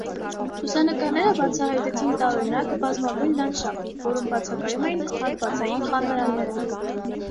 Լուսանկարները բացահայտեցին տարօրինակ, բազմագույն լանդշաֆտ, որում բացակայում էին հարվածային խառնարանները։